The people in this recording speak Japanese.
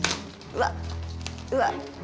うわっうわっ。